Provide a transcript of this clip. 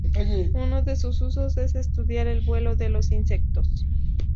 Uno de sus usos es estudiar el vuelo de los insectos.